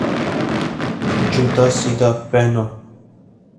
جوتا سیدھا پہنو